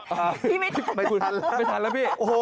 บ๊วยไม่ทันแล้ว